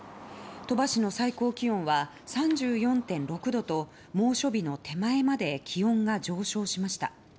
鳥羽市の最高気温は３４．６度と猛暑日の手前まで気温が上昇しました。